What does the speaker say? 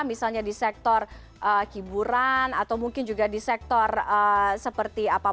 misalnya di sektor hiburan atau mungkin juga di sektor seperti apa